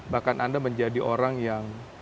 bahkan anda menjadi orang yang